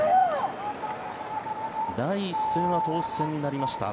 第１戦は投手戦になりました。